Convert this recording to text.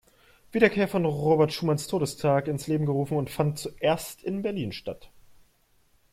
Wiederkehr von Robert Schumanns Todestag, ins Leben gerufen und fand zuerst in Berlin statt.